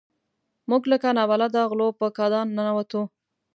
موږ لکه نابلده غلو په کادان ننوتو.